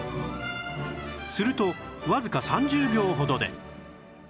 するとわずか３０秒ほどで